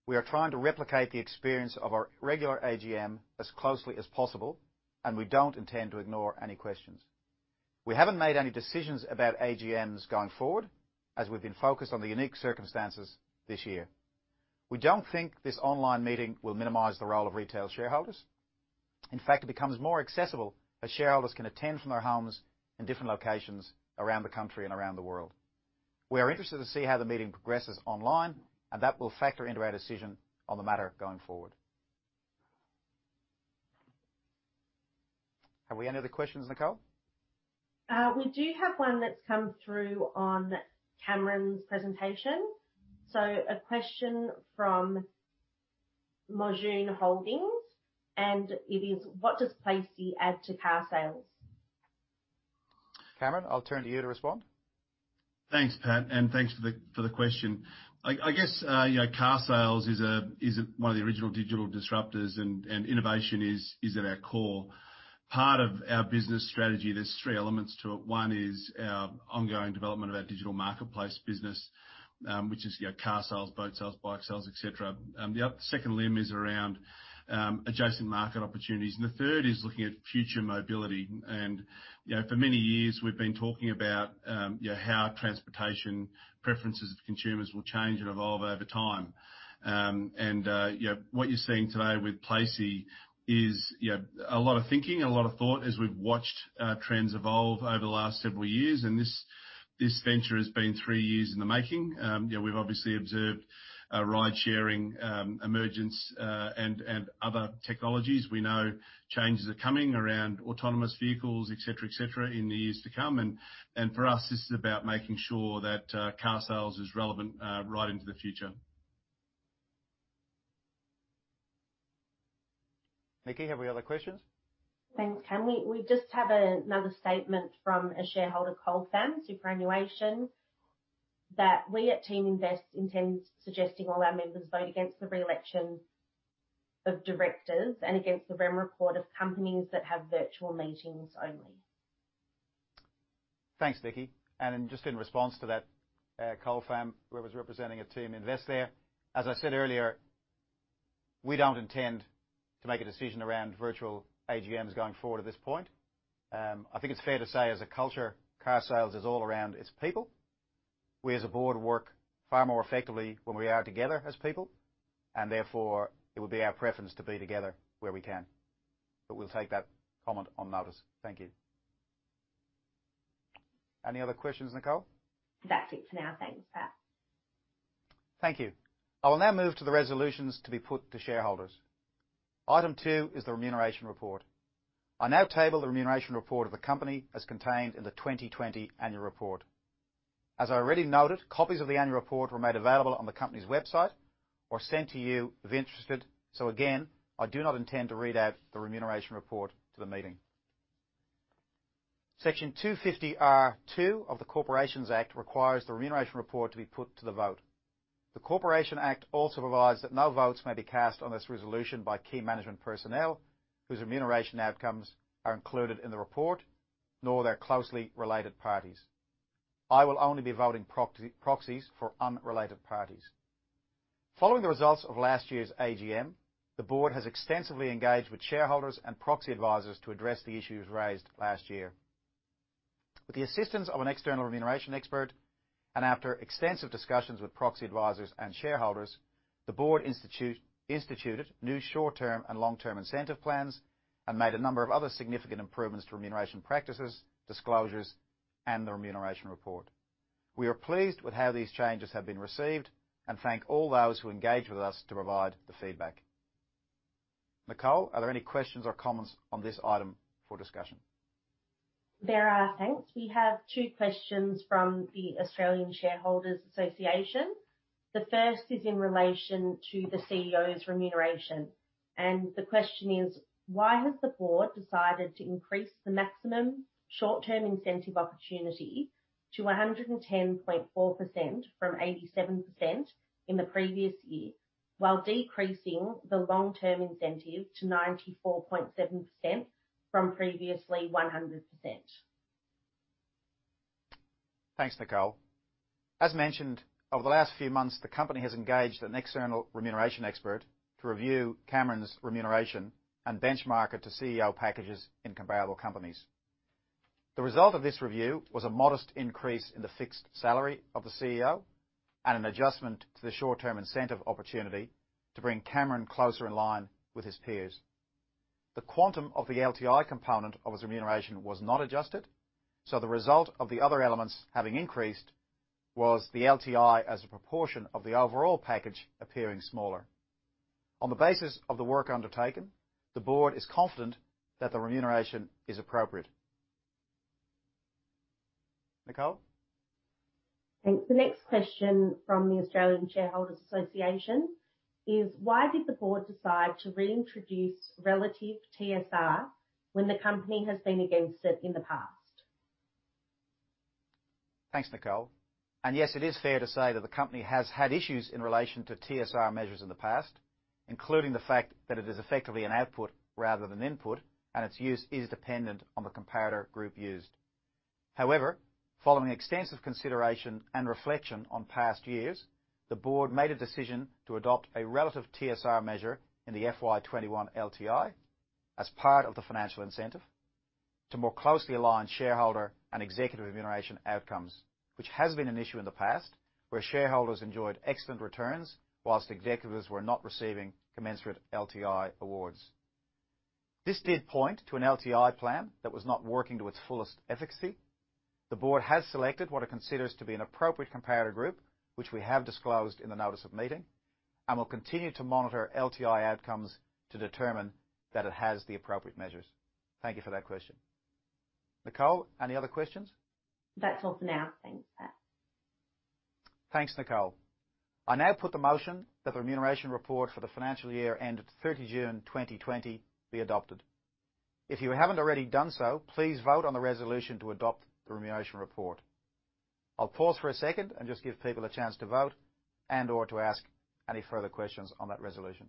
Speaker 1: we are trying to replicate the experience of our regular AGM as closely as possible, and we don't intend to ignore any questions. We haven't made any decisions about AGMs going forward, as we've been focused on the unique circumstances this year. We don't think this online meeting will minimize the role of retail shareholders. In fact, it becomes more accessible, as shareholders can attend from their homes in different locations around the country and around the world. We are interested to see how the meeting progresses online, and that will factor into our decision on the matter going forward. Have we any other questions, Nicole?
Speaker 4: We do have one that's come through on Cameron's presentation. So a question from Majura Holdings, and it is: What does Placie add to Carsales?
Speaker 1: Cameron, I'll turn to you to respond.
Speaker 2: Thanks, Pat, and thanks for the, for the question. I guess, you know, Carsales is one of the original digital disruptors, and innovation is at our core. Part of our business strategy, there's three elements to it. One is our ongoing development of our digital marketplace business, which is, you know, car sales, boat sales, bike sales, et cetera. The second limb is around adjacent market opportunities, and the third is looking at future mobility, and you know, for many years, we've been talking about, you know, how transportation preferences of consumers will change and evolve over time, and you know, what you're seeing today with Placie is, you know, a lot of thinking and a lot of thought as we've watched trends evolve over the last several years. This venture has been three years in the making. You know, we've obviously observed ride-sharing emergence and other technologies. We know changes are coming around autonomous vehicles, et cetera, et cetera, in the years to come, and for us, this is about making sure that Carsales is relevant right into the future.
Speaker 1: Nikki, have we other questions?
Speaker 4: Thanks, Cam. We just have another statement from a shareholder, Colfam Superannuation, that, "We at Teaminvest intends suggesting all our members vote against the re-election of directors and against the Remuneration Report of companies that have virtual meetings only.
Speaker 1: Thanks, Nikki. And just in response to that, Colfam, whoever's representing a Teaminvest there, as I said earlier, we don't intend to make a decision around virtual AGMs going forward at this point. I think it's fair to say, as a culture, Carsales is all around its people. We, as a board, work far more effectively when we are together as people, and therefore, it would be our preference to be together where we can. But we'll take that comment on notice. Thank you. Any other questions, Nicole?
Speaker 4: That's it for now. Thanks, Pat.
Speaker 1: Thank you. I will now move to the resolutions to be put to shareholders. Item two is the Remuneration Report. I now table the Remuneration Report of the company as contained in the 2020 annual report. As I already noted, copies of the annual report were made available on the company's website or sent to you, if interested. So again, I do not intend to read out the Remuneration Report to the meeting. Section 250R(2) of the Corporations Act requires the Remuneration Report to be put to the vote. The Corporations Act also provides that no votes may be cast on this resolution by key management personnel, whose remuneration outcomes are included in the report, nor their closely related parties. I will only be voting proxies for unrelated parties. Following the results of last year's AGM, the board has extensively engaged with shareholders and proxy advisors to address the issues raised last year. With the assistance of an external remuneration expert, and after extensive discussions with proxy advisors and shareholders, the board instituted new short-term and long-term incentive plans and made a number of other significant improvements to remuneration practices, disclosures, and the remuneration report. We are pleased with how these changes have been received and thank all those who engaged with us to provide the feedback. Nicole, are there any questions or comments on this item for discussion?
Speaker 4: There are, thanks. We have two questions from the Australian Shareholders Association. The first is in relation to the CEO's remuneration, and the question is: Why has the board decided to increase the maximum short-term incentive opportunity to 110.4% from 87% in the previous year, while decreasing the long-term incentive to 94.7% from previously 100%?
Speaker 1: Thanks, Nicole. As mentioned, over the last few months, the company has engaged an external remuneration expert to review Cameron's remuneration and benchmark it to CEO packages in comparable companies. The result of this review was a modest increase in the fixed salary of the CEO and an adjustment to the short-term incentive opportunity to bring Cameron closer in line with his peers. The quantum of the LTI component of his remuneration was not adjusted, so the result of the other elements having increased was the LTI as a proportion of the overall package appearing smaller. On the basis of the work undertaken, the board is confident that the remuneration is appropriate. Nicole?
Speaker 4: Thanks. The next question from the Australian Shareholders Association is: Why did the board decide to reintroduce relative TSR when the company has been against it in the past?
Speaker 1: Thanks, Nicole. Yes, it is fair to say that the company has had issues in relation to TSR measures in the past, including the fact that it is effectively an output rather than input, and its use is dependent on the comparator group used. However, following extensive consideration and reflection on past years, the board made a decision to adopt a relative TSR measure in the FY 2021 LTI as part of the financial incentive to more closely align shareholder and executive remuneration outcomes, which has been an issue in the past, where shareholders enjoyed excellent returns, while executives were not receiving commensurate LTI awards. This did point to an LTI plan that was not working to its fullest efficacy. The board has selected what it considers to be an appropriate comparator group, which we have disclosed in the notice of meeting, and will continue to monitor LTI outcomes to determine that it has the appropriate measures. Thank you for that question. Nicole, any other questions?
Speaker 4: That's all for now. Thanks, Pat.
Speaker 1: Thanks, Nicole. I now put the motion that the remuneration report for the financial year ended 30 June 2020, be adopted. If you haven't already done so, please vote on the resolution to adopt the remuneration report. I'll pause for a second and just give people a chance to vote and/or to ask any further questions on that resolution.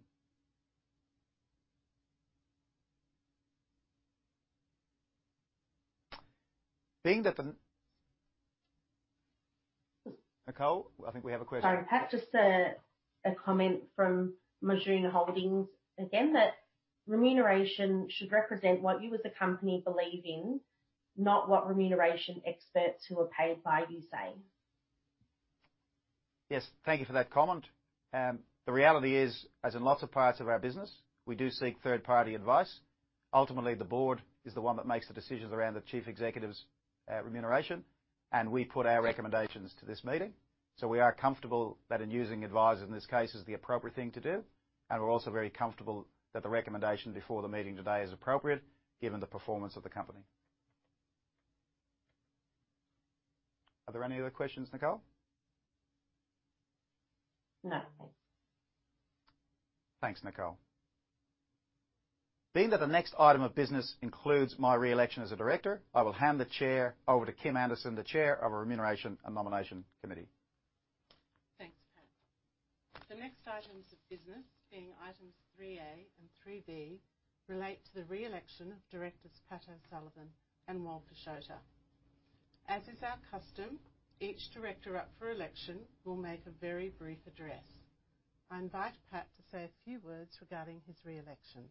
Speaker 1: Nicole, I think we have a question.
Speaker 4: Sorry, Pat, just a comment from Majura Holdings, again, that remuneration should represent what you, as a company, believe in, not what remuneration experts who are paid by you say.
Speaker 1: Yes, thank you for that comment. The reality is, as in lots of parts of our business, we do seek third-party advice. Ultimately, the board is the one that makes the decisions around the Chief Executive's remuneration, and we put our recommendations to this meeting. So we are comfortable that in using advisors in this case is the appropriate thing to do, and we're also very comfortable that the recommendation before the meeting today is appropriate, given the performance of the company. Are there any other questions, Nicole?
Speaker 4: No, thanks.
Speaker 1: Thanks, Nicole. Being that the next item of business includes my re-election as a director, I will hand the chair over to Kim Anderson, the Chair of our Remuneration and Nomination Committee.
Speaker 5: Thanks, Pat. The next items of business, being items three A and three B, relate to the re-election of directors Pat O'Sullivan and Wal Pisciotta. As is our custom, each director up for election will make a very brief address. I invite Pat to say a few words regarding his re-election.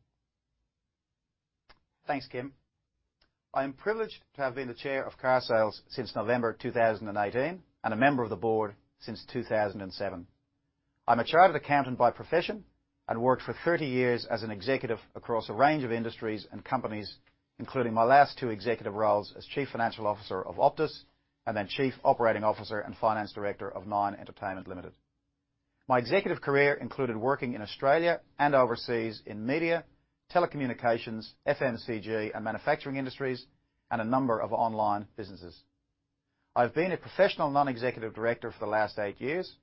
Speaker 1: Thanks, Kim. I am privileged to have been the chair of Carsales since November 2018, and a member of the board since 2007. I'm a chartered accountant by profession and worked for 30 years as an executive across a range of industries and companies, including my last two executive roles as chief financial officer of Optus and then chief operating officer and finance director of Nine Entertainment Limited. My executive career included working in Australia and overseas in media, telecommunications, FMCG, and manufacturing industries, and a number of online businesses. I've been a professional non-executive director for the last 8 years,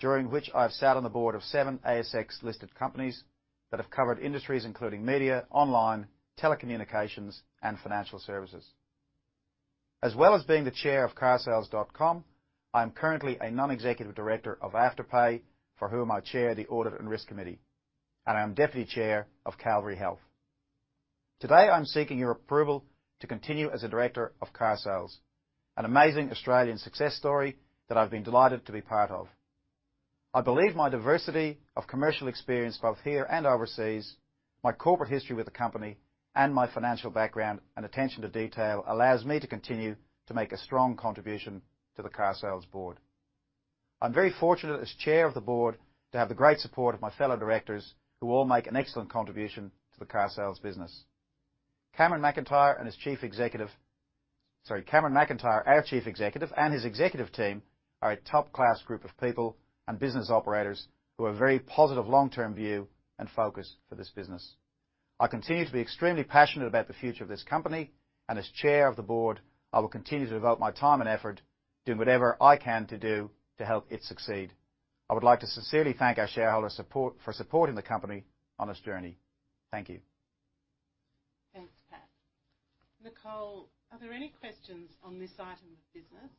Speaker 1: during which I've sat on the board of 7 ASX-listed companies that have covered industries including media, online, telecommunications, and financial services. As well as being the chair of Carsales.com, I'm currently a non-executive director of Afterpay, for whom I chair the Audit and Risk Committee, and I'm deputy chair of Calvary Health. Today, I'm seeking your approval to continue as a director of Carsales, an amazing Australian success story that I've been delighted to be part of. I believe my diversity of commercial experience, both here and overseas, my corporate history with the company, and my financial background and attention to detail allows me to continue to make a strong contribution to the Carsales board. I'm very fortunate as chair of the board to have the great support of my fellow directors, who all make an excellent contribution to the Carsales business. Cameron McIntyre and his chief executive... Sorry, Cameron McIntyre, our Chief Executive, and his executive team, are a top-class group of people and business operators who have a very positive long-term view and focus for this business. I continue to be extremely passionate about the future of this company, and as Chair of the Board, I will continue to devote my time and effort doing whatever I can to do to help it succeed. I would like to sincerely thank our shareholders' support for supporting the company on this journey. Thank you.
Speaker 5: Thanks, Pat. Nicole, are there any questions on this item of business?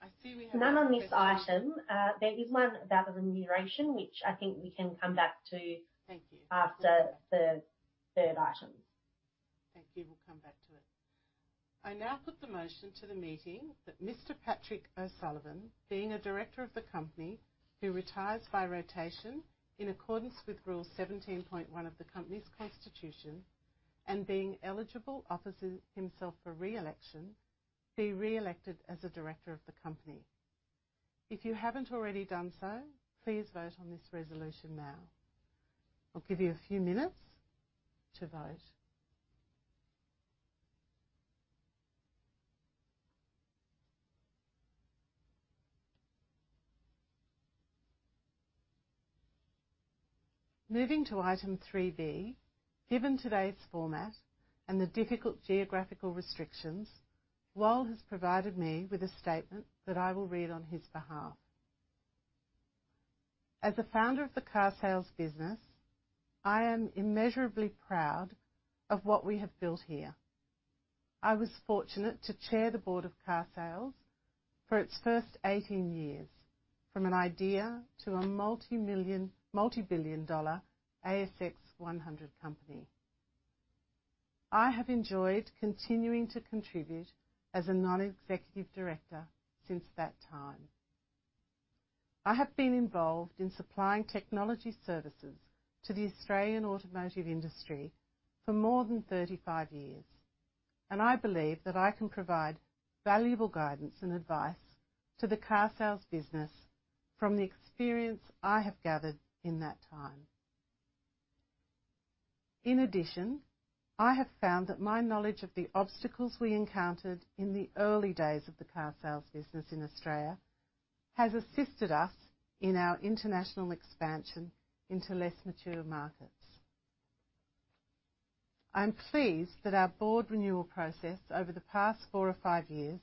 Speaker 5: I see we have-
Speaker 4: None on this item. There is one about the remuneration, which I think we can come back to-
Speaker 5: Thank you...
Speaker 4: after the third item.
Speaker 5: Thank you. We'll come back to it. I now put the motion to the meeting that Mr. Patrick O'Sullivan, being a director of the company, who retires by rotation in accordance with Rule seventeen point one of the company's constitution and being eligible, offers him, himself for re-election, be re-elected as a director of the company. If you haven't already done so, please vote on this resolution now. I'll give you a few minutes to vote. Moving to item three B, given today's format and the difficult geographical restrictions, Wal has provided me with a statement that I will read on his behalf. As the founder of the Carsales business, I am immeasurably proud of what we have built here. I was fortunate to chair the board of Carsales for its first eighteen years, from an idea to a multimillion - multibillion-dollar ASX 100 company. I have enjoyed continuing to contribute as a non-executive director since that time. I have been involved in supplying technology services to the Australian automotive industry for more than thirty-five years, and I believe that I can provide valuable guidance and advice to the Carsales business from the experience I have gathered in that time. In addition, I have found that my knowledge of the obstacles we encountered in the early days of the Carsales business in Australia, has assisted us in our international expansion into less mature markets. I'm pleased that our board renewal process over the past four or five years,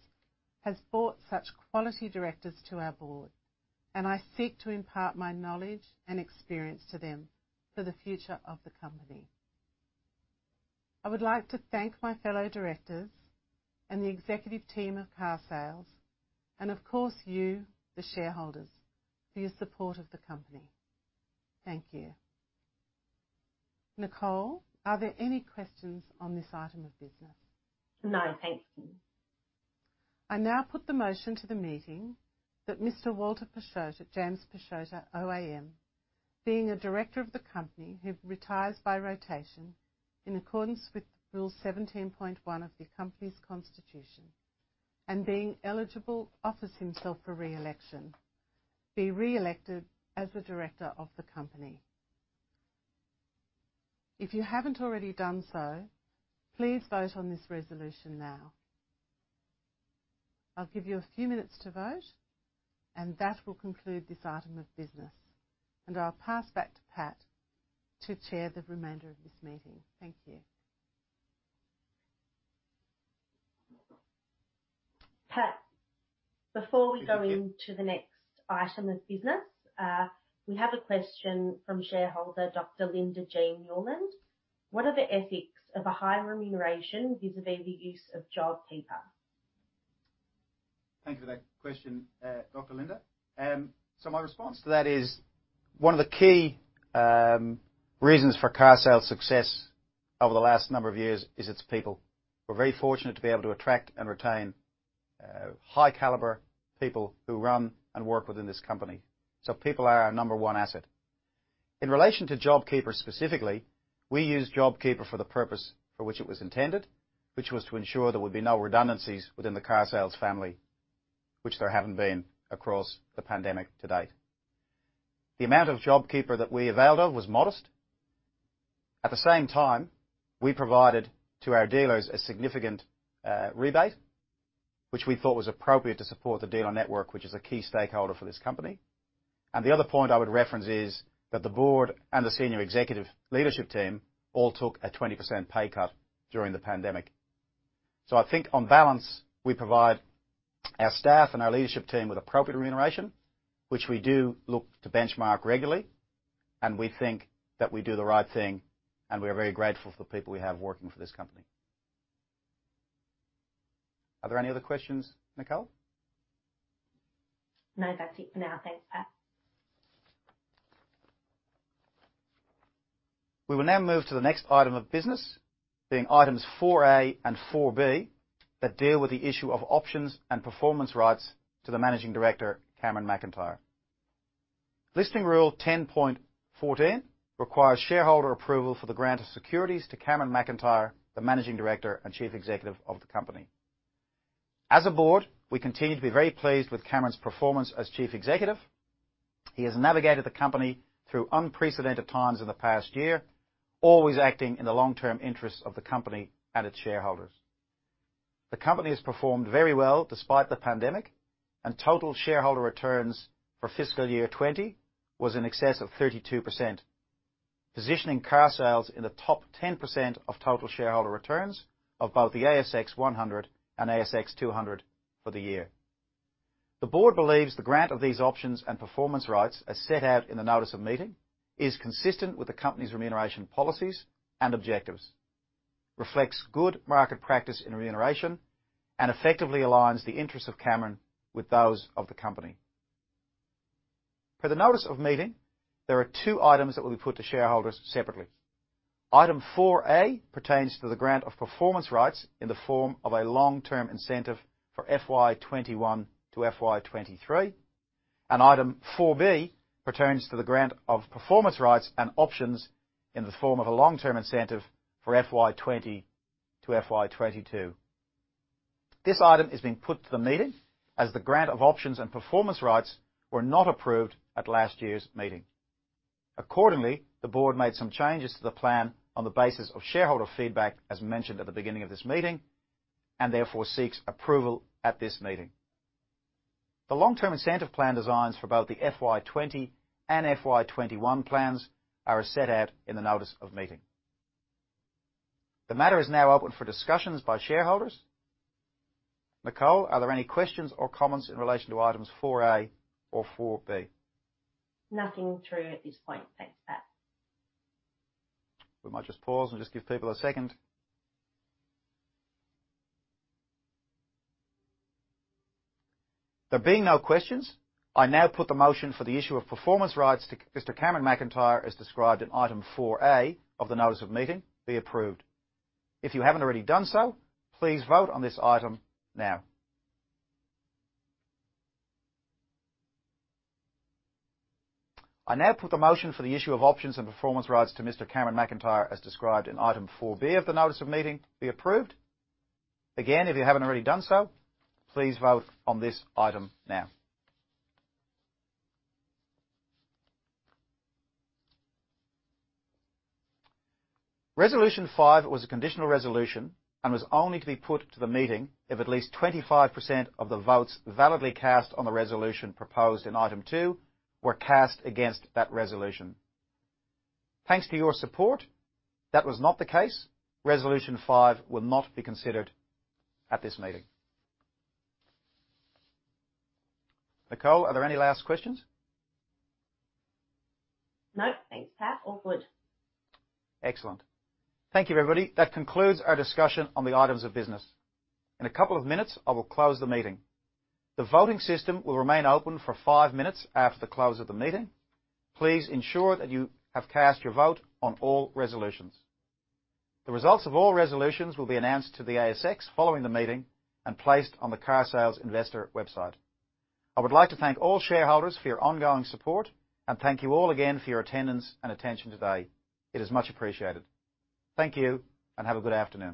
Speaker 5: has brought such quality directors to our board, and I seek to impart my knowledge and experience to them for the future of the company. I would like to thank my fellow directors and the executive team of Carsales, and of course, you, the shareholders, for your support of the company. Thank you. Nicole, are there any questions on this item of business?
Speaker 4: No, thank you.
Speaker 5: I now put the motion to the meeting that Mr. Wal Pisciotta OAM, being a director of the company, who retires by rotation in accordance with Rule seventeen point one of the company's constitution, and being eligible, offers himself for re-election, be re-elected as a director of the company. If you haven't already done so, please vote on this resolution now. I'll give you a few minutes to vote, and that will conclude this item of business, and I'll pass back to Pat to chair the remainder of this meeting. Thank you.
Speaker 4: Pat, before we go into the next item of business, we have a question from shareholder, Dr. Linda Jean Newland. What are the ethics of a high remuneration vis-à-vis the use of JobKeeper?
Speaker 1: Thank you for that question, Dr. Linda. So my response to that is, one of the key reasons for Carsales' success over the last number of years is its people. We're very fortunate to be able to attract and retain high caliber people who run and work within this company. So people are our number one asset. In relation to JobKeeper, specifically, we used JobKeeper for the purpose for which it was intended, which was to ensure there would be no redundancies within the Carsales family, which there haven't been across the pandemic to date. The amount of JobKeeper that we availed of was modest. At the same time, we provided to our dealers a significant rebate, which we thought was appropriate to support the dealer network, which is a key stakeholder for this company. And the other point I would reference is that the board and the senior executive leadership team all took a 20% pay cut during the pandemic. So I think on balance, we provide our staff and our leadership team with appropriate remuneration, which we do look to benchmark regularly, and we think that we do the right thing, and we are very grateful for the people we have working for this company. Are there any other questions, Nicole?
Speaker 4: No, that's it for now. Thanks, Pat.
Speaker 1: We will now move to the next item of business, being items four A and four B, that deal with the issue of options and performance rights to the Managing Director, Cameron McIntyre. Listing Rule 10.14 requires shareholder approval for the grant of securities to Cameron McIntyre, the Managing Director and Chief Executive of the company. As a board, we continue to be very pleased with Cameron's performance as Chief Executive. He has navigated the company through unprecedented times in the past year, always acting in the long-term interest of the company and its shareholders. The company has performed very well despite the pandemic, and total shareholder returns for fiscal year 2020 was in excess of 32%, positioning Carsales in the top 10% of total shareholder returns of both the ASX 100 and ASX 200 for the year. The Board believes the grant of these options and performance rights, as set out in the notice of meeting, is consistent with the company's remuneration policies and objectives, reflects good market practice in remuneration, and effectively aligns the interests of Cameron with those of the company. Per the notice of meeting, there are two items that will be put to shareholders separately. Item four A pertains to the grant of performance rights in the form of a long-term incentive for FY 2021 to FY 2023, and item four B pertains to the grant of performance rights and options in the form of a long-term incentive for FY 2020 to FY 2022. This item is being put to the meeting, as the grant of options and performance rights were not approved at last year's meeting. Accordingly, the board made some changes to the plan on the basis of shareholder feedback, as mentioned at the beginning of this meeting, and therefore seeks approval at this meeting. The long-term incentive plan designs for both the FY 2020 and FY 2021 plans are as set out in the notice of meeting. The matter is now open for discussions by shareholders. Nicole, are there any questions or comments in relation to items 4A or 4B?
Speaker 4: Nothing through at this point. Thanks, Pat.
Speaker 1: We might just pause and just give people a second. There being no questions, I now put the motion for the issue of performance rights to Mr. Cameron McIntyre, as described in item four A of the notice of meeting, be approved. If you haven't already done so, please vote on this item now. I now put the motion for the issue of options and performance rights to Mr. Cameron McIntyre, as described in item four B of the notice of meeting, be approved. Again, if you haven't already done so, please vote on this item now. Resolution five was a conditional resolution and was only to be put to the meeting if at least 25% of the votes validly cast on the resolution proposed in item two were cast against that resolution. Thanks to your support, that was not the case. Resolution five will not be considered at this meeting. Nicole, are there any last questions?
Speaker 4: No. Thanks, Pat. All good.
Speaker 1: Excellent. Thank you, everybody. That concludes our discussion on the items of business. In a couple of minutes, I will close the meeting. The voting system will remain open for five minutes after the close of the meeting. Please ensure that you have cast your vote on all resolutions. The results of all resolutions will be announced to the ASX, following the meeting, and placed on the Carsales investor website. I would like to thank all shareholders for your ongoing support, and thank you all again for your attendance and attention today. It is much appreciated. Thank you, and have a good afternoon.